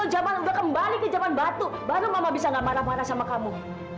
jaman udah kembali ke jaman batu baru mama bisa gak marah marah sama kamu